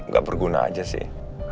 gak berguna aja sih